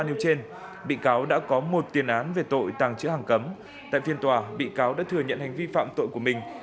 nêu trên bị cáo đã có một tiền án về tội tàng chữ hàng cấm tại phiên tòa bị cáo đã thừa nhận hành vi phạm tội của mình